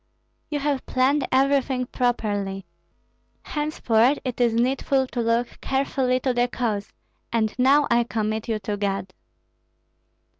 "You have planned everything properly; henceforth it is needful to look carefully to the cause, and now I commit you to God."